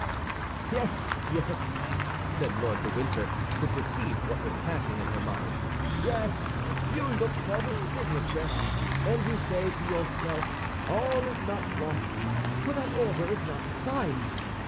"Yes, yes," said Lord de Winter, who perceived what was passing in her mind; "yes, you look for the signature, and you say to yourself: 'All is not lost, for that order is not signed.